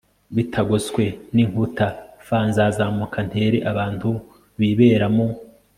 bitagoswe n inkuta f nzazamuka ntere abantu bibera mu